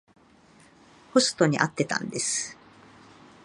ホストに会ってたんです。